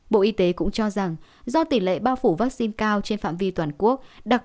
bộ y tế cũng cho rằng do tỷ lệ bao phủ vaccine cao trên phạm vi toàn quốc